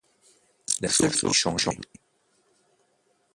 la seule chose qui changeait.